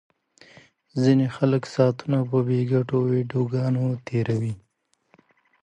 ځینې خلک ساعتونه په بې ګټې ویډیوګانو تیروي.